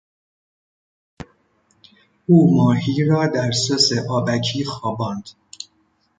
او ماهی را در سس آبکی خواباند.